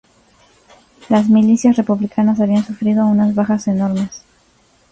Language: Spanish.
Las milicias republicanas habían sufrido unas bajas enormes.